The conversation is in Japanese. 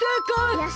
よし！